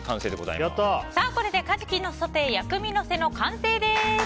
これでカジキのソテー薬味のせの完成です。